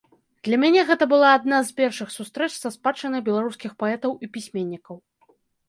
Для мяне гэта была адна з першых сустрэч са спадчынай беларускіх паэтаў і пісьменнікаў.